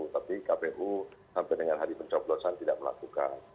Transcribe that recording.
tapi kpu sampai dengan hari pencoblosan tidak melakukan